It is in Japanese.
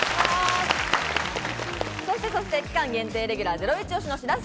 そして期間限定レギュラー、ゼロイチ推しの白洲